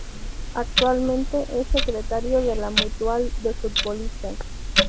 Actualmente es "Secretario de la Mutual de Futbolistas.